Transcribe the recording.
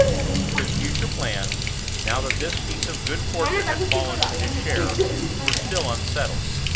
His future plans, now that this piece of good fortune had fallen to his share, were still unsettled.